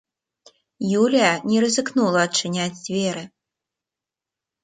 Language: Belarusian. Юлія не рызыкнула адчыняць дзверы.